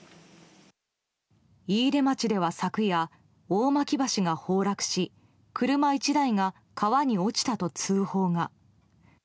飯豊町では昨夜、大巻橋が崩落し車１台が川に落ちたと通報が。